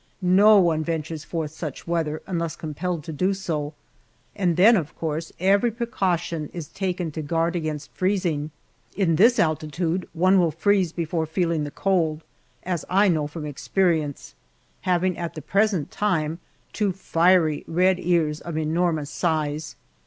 No one ventures forth such weather unless compelled to do so, and then, of course, every precaution is taken to guard against freezing. In this altitude one will freeze before feeling the cold, as I know from experience, having at the present time two fiery red ears of enormous size.